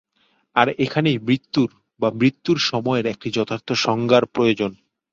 আর এখানেই মৃত্যুর বা মৃত্যুর সময়ের একটি যথার্থ সংজ্ঞার প্রয়োজন।